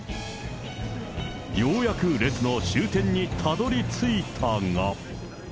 ようやく列の終点にたどりついたが。